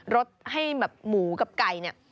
รสให้แบบหมูกับไก่เนี่ย